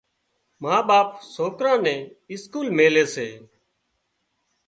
ما ٻاپ سوڪران نين اسڪول ميلي سي۔